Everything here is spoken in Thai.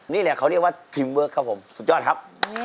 นี่แหละเขาเรียกว่าทีมเวิร์คครับผมสุดยอดครับ